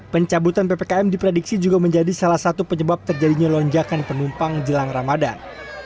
pencabutan ppkm diprediksi juga menjadi salah satu penyebab terjadinya lonjakan penumpang jelang ramadan